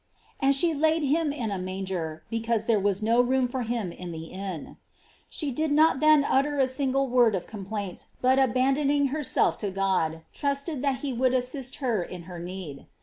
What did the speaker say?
"And she laid him in a manger, be cause there was no room for him in the inn."* She did not then utter a single word of complaint, but abandoning herself to God, trusted that he would assist her in her need.